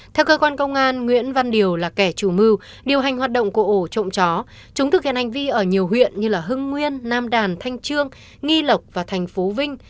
theo cơ quan công an nguyễn văn điều là kẻ chủ mưu điều hành hoạt động của ổ trộm chó chúng thực hiện hành vi ở nhiều huyện như hưng nguyên nam đàn thanh trương nghi lộc và thành phố vinh